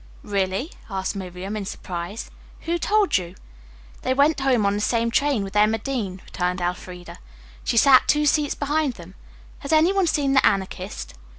"Really?" asked Miriam, in surprise. "Who told you?" "They went home on the same train with Emma Dean," returned Elfreda. "She sat two seats behind them. Has any one seen the Anarchist?"